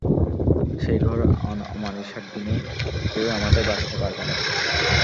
সেই ঘোর অমানিশার দিনে কেউই আমাদের বাঁচাতে পারবে না!